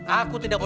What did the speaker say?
aku tidak mau